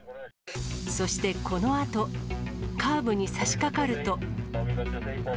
そしてこのあと、カーブにさしかかると。